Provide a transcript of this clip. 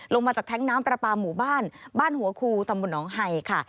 ลงมาจากแท้งน้ำประปาหมู่บ้านบ้านหัวคูตำบลหนองไห่ค่ะ